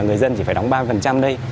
người dân chỉ phải đóng ba mươi đây